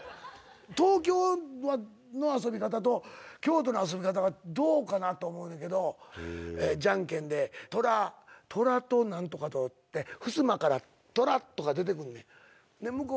東京の遊び方と京都の遊び方がどうかなと思うねんけどじゃんけんでトラと何とかとってふすまからトラとか出てくんねん。